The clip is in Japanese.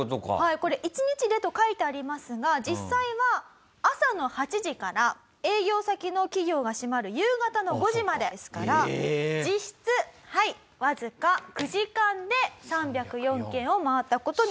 これ１日でと書いてありますが実際は朝の８時から営業先の企業が閉まる夕方の５時までですから実質わずか９時間で３０４件を回った事になります。